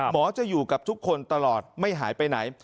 จะอยู่กับทุกคนตลอดไม่หายไปไหน